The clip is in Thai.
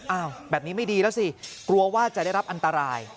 อ้าวแบบนี้ไม่ดีแล้วสิกลัวว่าจะได้รับอันตราย